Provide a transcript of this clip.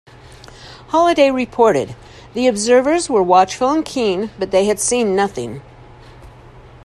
Holiday reported, The observers were watchful and keen but they had seen nothing.